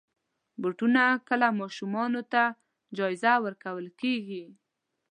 بوټونه کله ماشومانو ته جایزه ورکول کېږي.